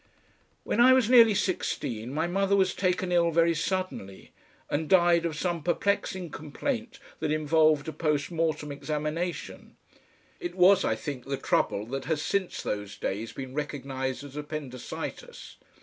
When I was nearly sixteen my mother was taken ill very suddenly, and died of some perplexing complaint that involved a post mortem examination; it was, I think, the trouble that has since those days been recognised as appendicitis.